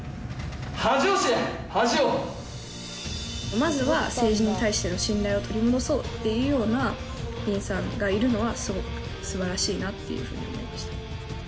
まずは政治に対しての信頼を取り戻そうというような議員さんがいるのは素晴らしいなと思いました。